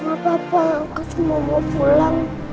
apa apa aku cuma mau pulang